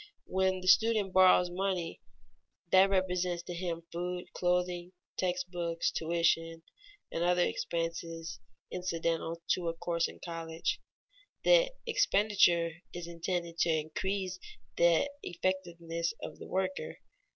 When the student borrows money that represents to him food, clothing, text books, tuition, and other expenses incidental to a course in college, the expenditure is intended to increase the effectiveness of the worker.